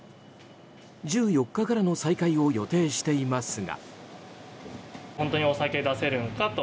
１４日からの再開を予定していますが。